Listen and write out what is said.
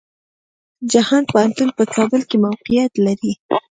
جهان پوهنتون په کابل کې موقيعت لري.